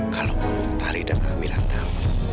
kalau utari dan amira tahu